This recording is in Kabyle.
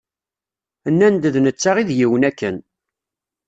Nnan-d d netta i d yiwen akken